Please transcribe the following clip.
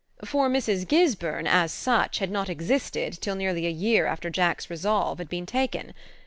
For Mrs. Gisburn as such had not existed till nearly a year after Jack's resolve had been taken.